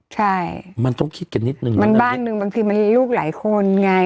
ใช่มันบ้างนึงบางทีมันให้ลูกหลายคนไง